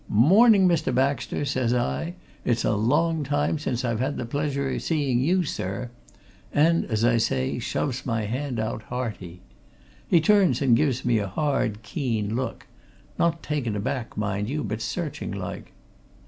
"'Morning, Mr. Baxter!' says I. 'It's a long time since I had the pleasure o' seeing you, sir!' and as I say, shoves my hand out, hearty. He turns and gives me a hard, keen look not taken aback, mind you, but searching like.